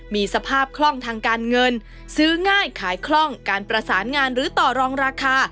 มีสภาพคล่องทางการเงินซื้อง่ายขายคล่องการประสานงานหรือต่อรองราคา